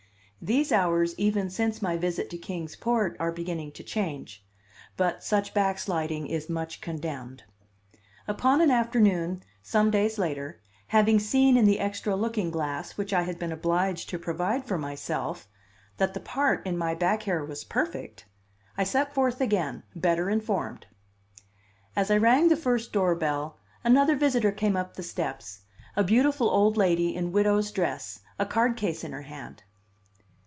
(These hours even since my visit to Kings Port, are beginning to change. But such backsliding is much condemned.) Upon an afternoon some days later, having seen in the extra looking glass, which I had been obliged to provide for myself, that the part in my back hair was perfect, I set forth again, better informed. As I rang the first doorbell, another visitor came up the steps, a beautiful old lady in widow's dress, a cardcase in her hand.